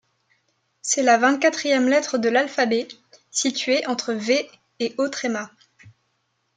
C’est la vingt-quatrième lettre de l’alphabet, située entre V et Ö.